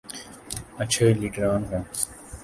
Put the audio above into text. اچھے لیڈران ہوں۔